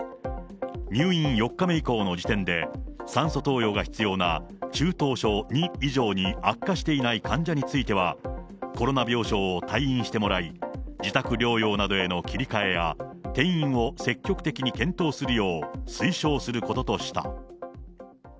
入院４日目以降の時点で酸素投与が必要な中等症２以上に悪化していない患者については、コロナ病床を退院してもらい、自宅療養などへの切り替えや転院を積極的に検討するよう推奨することとした。